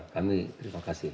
kami terima kasih